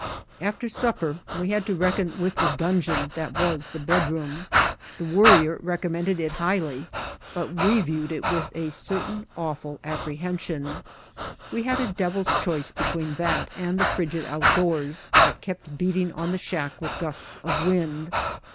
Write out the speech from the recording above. After supper we had to reckon with the dun geon that was the bedroom. The Worrier rec ommended it highly, but we viewed it with a certain awful apprehension. We had a devil's choice between that and the frigid outdoors that kept beating on the shack with gusts of wind.